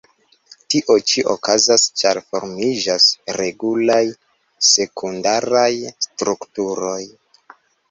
Tio ĉi okazas, ĉar formiĝas regulaj sekundaraj strukturoj.